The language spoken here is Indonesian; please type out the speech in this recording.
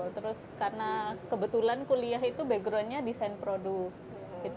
terus karena kebetulan kuliah itu background nya desain produk gitu